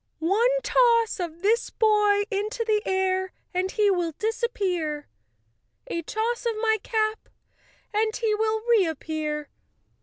"One toss of this boy into the air, and he will dis¬ appear; a toss of my cap and he will reappear.